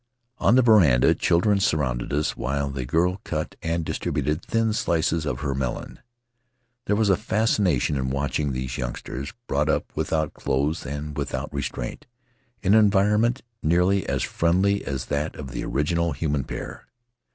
On the veranda children surrounded us while the girl cut and distributed thin slices of her melon. There is a fascination in watching these youngsters, brought up without clothes and without restraint, in an environ ment nearly as friendly as that of the original human pair.